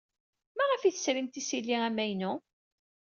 Maɣef ay tesrimt isili amaynu?